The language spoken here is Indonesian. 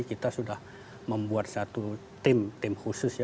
kita sudah membuat satu tim khusus ya